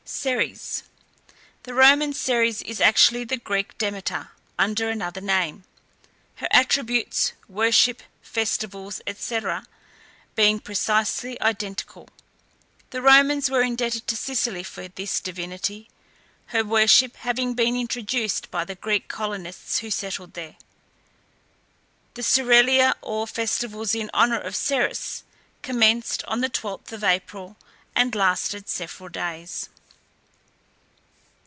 CERES. The Roman Ceres is actually the Greek Demeter under another name, her attributes, worship, festivals, &c., being precisely identical. The Romans were indebted to Sicily for this divinity, her worship having been introduced by the Greek colonists who settled there. The Cerealia, or festivals in honour of Ceres, commenced on the 12th of April, and lasted several days.